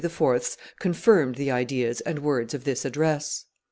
's confirmed the ideas and words of this address.